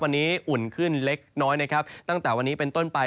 วันนี้อุ่นขึ้นเล็กน้อยนะครับตั้งแต่วันนี้เป็นต้นไป